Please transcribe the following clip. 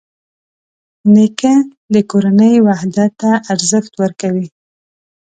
نیکه د کورنۍ وحدت ته ارزښت ورکوي.